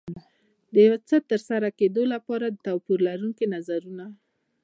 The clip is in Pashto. د یو څه ترسره کېدو لپاره توپير لرونکي نظرونه.